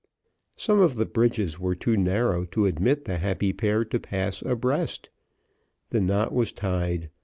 Some of the bridges were too narrow to admit the happy pair to pass abreast. The knot was tied.